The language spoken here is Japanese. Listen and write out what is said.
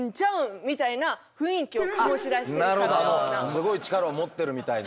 すごい力を持ってるみたいな。